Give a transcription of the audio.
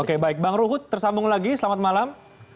oke baik bang ruhut tersambung lagi selamat malam